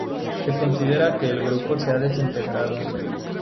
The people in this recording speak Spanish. Se considera que el grupo se ha desintegrado.